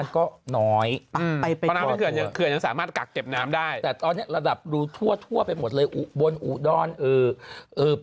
กรุงเทศมันก็ตัวพี่ดูเนี่ย